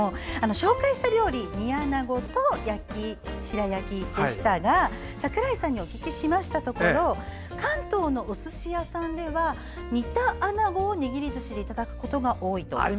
紹介した料理が煮アナゴと白焼きでしたが櫻井さんにお聞きしたところ関東のおすし屋さんでは煮たアナゴを握りずしでいただくことが多いと。